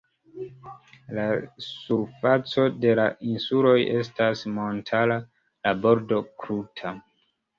La surfaco de la insuloj estas montara, la bordo kruta.